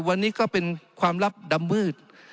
วันนี้ก็เป็นความลับดำมืด